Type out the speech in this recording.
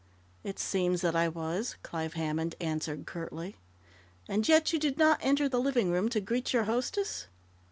"It seems that I was!" Clive Hammond answered curtly. "And yet you did not enter the living room to greet your hostess?"